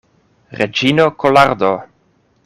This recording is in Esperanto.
Reĝino Kolardo!